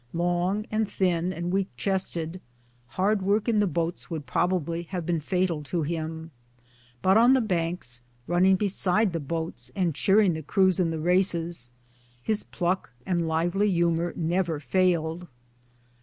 Long and thin and weak chested, hard work in the boats would probably have been fatal to him, but on the banks, running beside the boats and cheering the crews in the races, his pluck and lively humour never failed.